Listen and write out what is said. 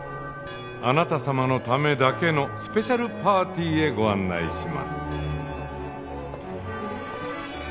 あなたさまのためだけのスペシャルパーティーへご案内します。